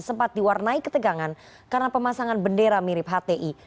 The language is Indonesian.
sempat diwarnai ketegangan karena pemasangan bendera mirip hti